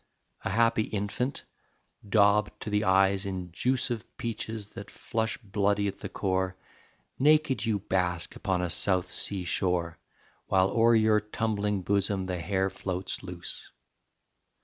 A happy infant, daubed to the eyes in juice Of peaches that flush bloody at the core, Naked you bask upon a south sea shore, While o'er your tumbling bosom the hair floats loose.